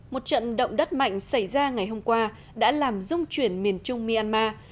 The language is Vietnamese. một trận động đất mạnh xảy ra ngày hôm qua đã làm dung chuyển miền trung myanmar